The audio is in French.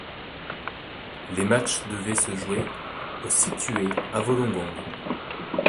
Les matchs devaient se jouer au situé à Wollongong.